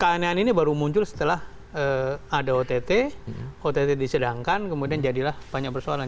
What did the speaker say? keanehan ini baru muncul setelah ada ott ott disidangkan kemudian jadilah banyak persoalan